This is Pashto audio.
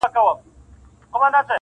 درد کور ټول اغېزمن کوي تل,